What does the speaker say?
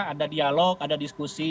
ada dialog ada diskusi